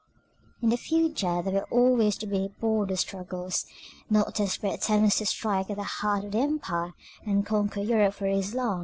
In the future they were always to be border struggles, not desperate attempts to strike at the heart of the empire, and conquer Europe for Islam.